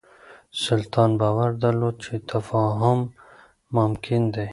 سلطان باور درلود چې تفاهم ممکن دی.